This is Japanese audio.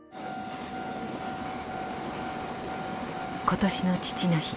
今年の父の日。